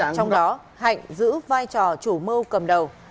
trong đó hạnh giữ vai trò chủ mưu cầm đầu